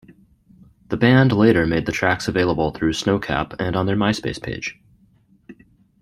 The band later made the tracks available through SnoCap and on their MySpace page.